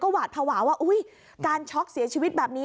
หวาดภาวะว่าอุ๊ยการช็อกเสียชีวิตแบบนี้